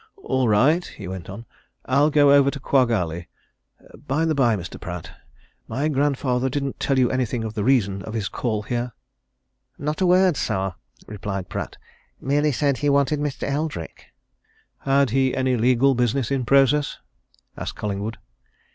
"All right," he went on. "I'll go over to Quagg Alley. Bye the bye, Mr. Pratt my grandfather didn't tell you anything of the reason of his call here?" "Not a word, sir," replied Pratt. "Merely said he wanted Mr. Eldrick." "Had he any legal business in process?" asked Collingwood.